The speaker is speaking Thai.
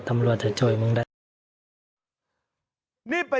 ตำรวจจะจ่อยมึงได้